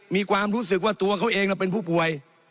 มีความรู้สึกว่าตัวเขาเองเป็นผู้ป่วย